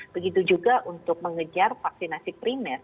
begitu juga untuk mengejar vaksinasi primer